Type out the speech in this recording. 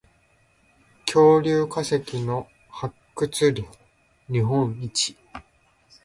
恐竜化石の発掘量日本一